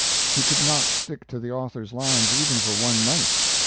He could not stick to the author's lines even for one night.